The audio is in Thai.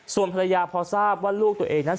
ส่วนภรรยาพอทราบว่าลูกตัวเองนั้น